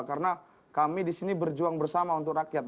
karena kami di sini berjuang bersama untuk rakyat